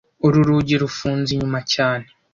Uru rugi rufunze inyuma cyane